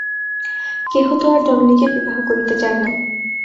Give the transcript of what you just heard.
কেহ তো আর জননীকে বিবাহ করিতে চায় না।